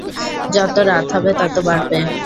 যত রাত হবে, তত বাড়বে।